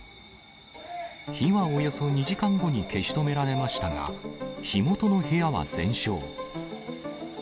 火はおよそ２時間後に消し止められましたが、火元の部屋は全焼。